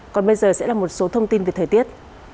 còn bây giờ sẽ là một số thông tin về thời tiết